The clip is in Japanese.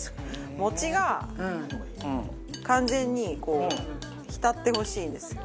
餅が完全にこう浸ってほしいんですよ。